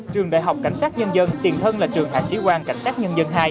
trường đại học cảnh sát nhân dân tiền thân là trường hạ chí quang cảnh sát nhân dân hai